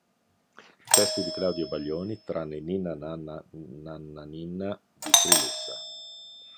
Testi di Claudio Baglioni, tranne "Ninna nanna nanna ninna", di Trilussa.